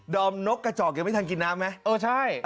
ด่อมนกกระจอกยังไม่ทันกินน้ำไหม